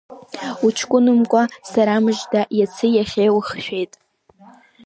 Уҷкәынамкәа, сарамыжда, иаци иахьеи ухшәеит.